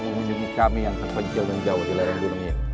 memindungi kami yang terpencil menjauh di layar gunung ini